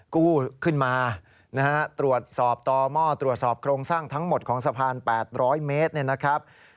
กู้ขึ้นมานะฮะตรวจสอบต่อหม้อตรวจสอบโครงสร้างทั้งหมดของสะพาน๘๐๐เมตรเนี่ยนะครับ